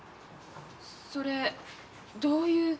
それどういう。